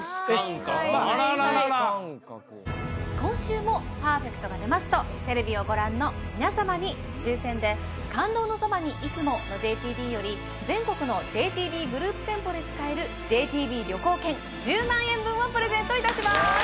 ・はいはいはいはい今週もパーフェクトが出ますとテレビをご覧の皆様に抽選で「感動のそばに、いつも。」のＪＴＢより全国のＪＴＢグループ店舗で使えるＪＴＢ旅行券１０万円分をプレゼントいたします